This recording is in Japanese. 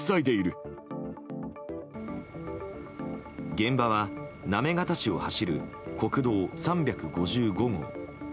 現場は行方市を走る国道３５５号。